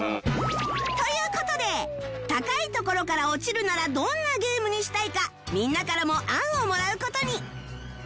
という事で高い所から落ちるならどんなゲームにしたいかみんなからも案をもらう事に